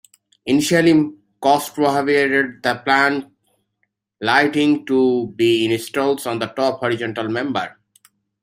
Initially, cost prohibited the planned lighting to be installed on the top horizontal member.